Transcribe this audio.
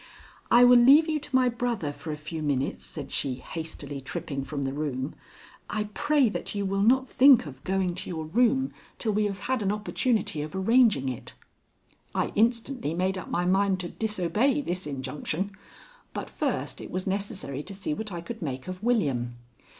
"I will leave you to my brother for a few minutes," said she, hastily tripping from the room. "I pray that you will not think of going to your room till we have had an opportunity of arranging it." I instantly made up my mind to disobey this injunction. But first, it was necessary to see what I could make of William.